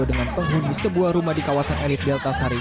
dengan penghuni sebuah rumah di kawasan elit delta sari